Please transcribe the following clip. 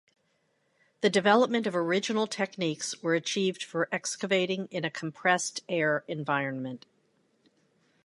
The development of original techniques were achieved for excavating in a compressed air environment.